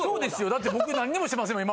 だって僕何にもしてませんもん